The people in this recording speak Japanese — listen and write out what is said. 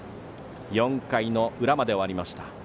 ４回の裏まで終わりました。